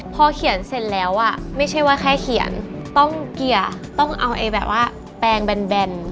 พอเขียนเสร็จแล้วอ่ะไม่ใช่ว่าแค่เขียนต้องเกลี่ยต้องเอาแบบว่าแปลงแบน